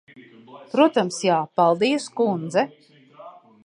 Protams, jā. Paldies, kundze.